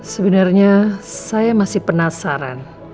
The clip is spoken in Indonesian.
sebenarnya saya masih penasaran